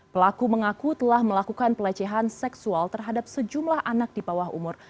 pelaku mengaku telah melakukan pelecehan seksual terhadap sejumlah anak di bawah umur